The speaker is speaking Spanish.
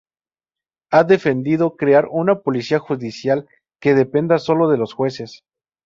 Ha defendido crear una policía judicial que dependa sólo de los jueces.